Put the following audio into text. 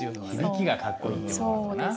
響きがかっこいいって事かな。